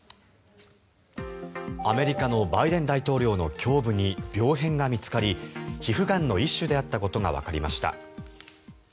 アメリカのバイデン大統領の胸部に病変が見つかり皮膚がんの一種であったことがわかりました。